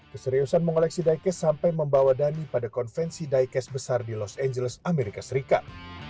keseriusan mengoleksi diecast sampai membawa dhani pada konvensi diecast besar di los angeles amerika serikat